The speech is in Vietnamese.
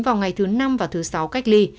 vào ngày thứ năm và thứ sáu cách ly